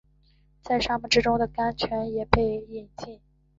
在沙漠之中的甘泉也被饮尽